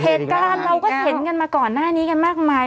เหตุการณ์เราก็เห็นกันมาก่อนหน้านี้กันมากมาย